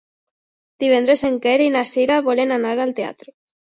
Divendres en Quer i na Cira volen anar al teatre.